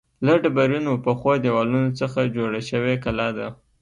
له ډبرینو پخو دیوالونو څخه جوړه شوې کلا ده.